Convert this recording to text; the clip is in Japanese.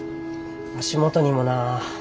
足元にもな。